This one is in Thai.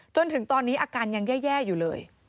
จนถึงตอนนี้อาการยังแย่อยู่เลย